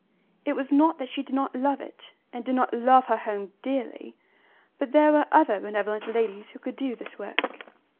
It was not that she did not love it, and did not love her home dearly, but there were other benevolent ladies who could do this work.